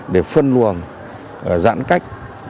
để phân luồng giãn cách